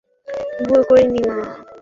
ভুল করিনি, মা।